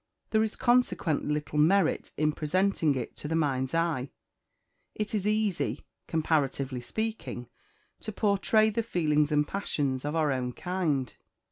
There is consequently little merit in presenting it to the mind's eye. It is easy, comparatively speaking, to portray the feelings and passions of our own kind.